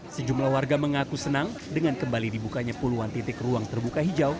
sejumlah warga mengaku senang dengan kembali dibukanya puluhan titik ruang terbuka hijau